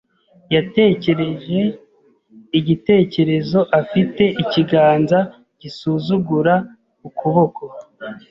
Yatekereje igitekerezo afite ikiganza gisuzugura ukuboko.